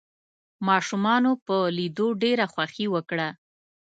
ماشومانو په ليدو ډېره خوښي وکړه.